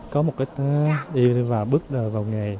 có một cái đi vào bước vào nghề